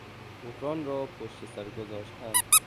بحران را پشت سر گذاشتن